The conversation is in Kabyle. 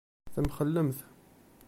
Temxellemt.